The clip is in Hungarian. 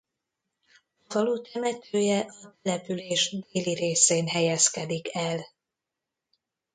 A falu temetője a település déli részén helyezkedik el.